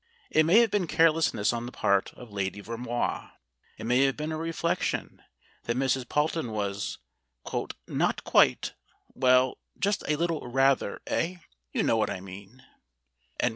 It may have been carelessness on the part of Lady Vermoise. It may have been a reflection that Mrs. Palton was "not quite well, just a little rather, eh? You know what I mean."